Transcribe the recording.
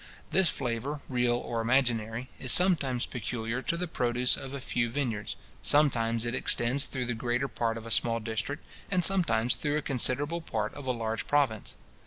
This flavour, real or imaginary, is sometimes peculiar to the produce of a few vineyards; sometimes it extends through the greater part of a small district, and sometimes through a considerable part of a large province.